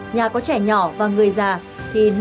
nhà có trẻ nhỏ và người già thì nên đeo khẩu trang